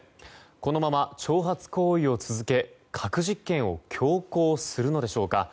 このまま挑発行為を続け核実験を強行するのでしょうか。